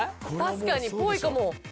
確かにぽいかも。